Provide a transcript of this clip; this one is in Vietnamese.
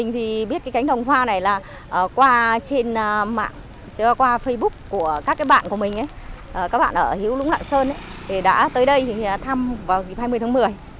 trên mạng qua facebook của các bạn của mình các bạn ở hữu lũng lạng sơn đã tới đây thăm vào hai mươi tháng một mươi